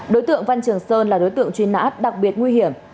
đối tượng văn trường sơn là đối tượng truy nã đặc biệt nguy hiểm